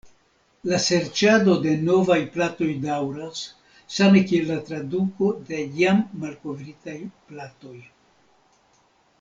La serĉado de novaj platoj daŭras, same kiel la traduko de jam malkovritaj platoj.